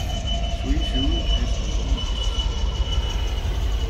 Suizhou has a long history.